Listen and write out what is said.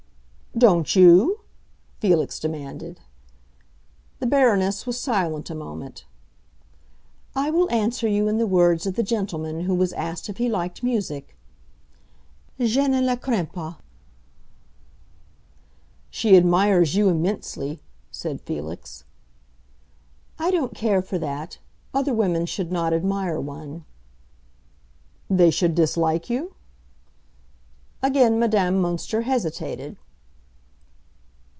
"Don't you?" Felix demanded. The Baroness was silent a moment. "I will answer you in the words of the gentleman who was asked if he liked music: 'Je ne la crains pas!''" "She admires you immensely," said Felix. "I don't care for that. Other women should not admire one." "They should dislike you?" Again Madame Münster hesitated.